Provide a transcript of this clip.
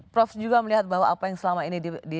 prof juga melihat bahwa apa yang selama ini